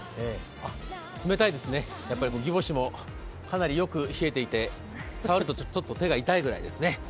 冷たいですね、ぎぼしもよく冷えていて、触ると手が痛いぐらいですね。